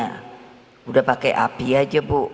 sudah pakai api aja bu